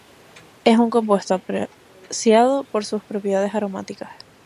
Es un compuesto apreciado por sus propiedades aromáticas.